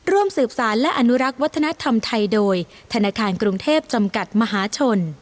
ร่วมสืบสารและอนุรักษ์วัฒนธรรมไทยโดยธนาคารกรุงเทพจำกัดมหาชน